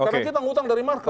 karena kita ngutang dari market